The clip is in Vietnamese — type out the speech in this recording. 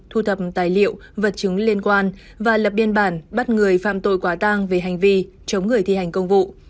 thu thập tài liệu vật chứng liên quan và lập biên bản bắt người phạm tội quả tang về hành vi chống người thi hành công vụ